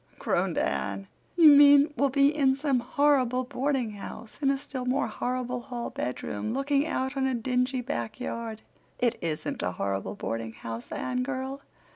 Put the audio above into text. groaned Anne. "You mean we'll be in some horrible boardinghouse, in a still more horrible hall bedroom, looking out on a dingy back yard." "It isn't a horrible boardinghouse, Anne girl.